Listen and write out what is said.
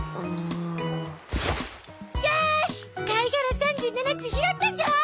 よしかいがら３７つひろったぞ！